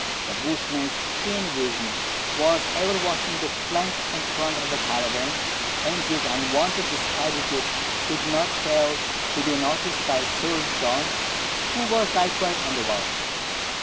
The bushman's keen vision was ever watching the flanks and front of the caravan, and his unwonted disquietude could not fail to be noticed by Sir John, who was likewise on the watch.